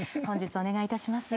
お願いいたします。